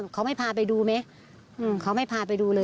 เขาไม่พาไปดูไหมเขาไม่พาไปดูเลย